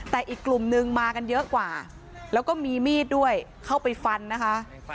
แต่อีกกลุ่มนึงมากันเยอะกว่าแล้วก็มีมีดด้วยเข้าไปฟันนะคะ